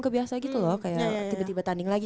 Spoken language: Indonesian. kebiasa gitu loh kayak tiba tiba tanding lagi